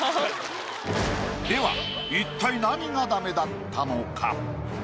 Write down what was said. では一体何がダメだったのか？